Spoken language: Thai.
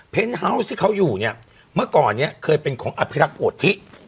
เฮาวส์ที่เขาอยู่เนี่ยเมื่อก่อนเนี่ยเคยเป็นของอภิรักษ์โพธิ